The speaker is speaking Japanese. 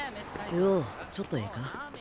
流鶯ちょっとええか？